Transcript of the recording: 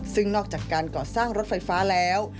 ซึ่งนอกจากการก่อสร้างรถไฟฟ้าแล้ว